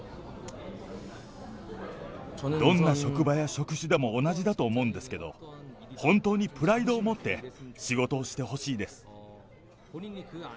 どんな職場や職種でも同じだと思うんですけど、本当にプライドを持って仕事をしてほしいです。